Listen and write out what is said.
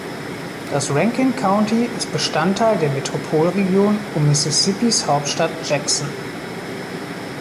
Das Rankin County ist Bestandteil der Metropolregion um Mississippis Hauptstadt Jackson.